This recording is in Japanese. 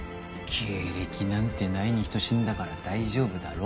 経歴なんてないに等しいんだから大丈夫だろ。